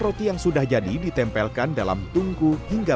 rasanya memang enak ini memang masih panas masih hangat